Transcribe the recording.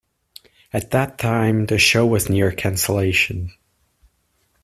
At that time, the show was near cancellation.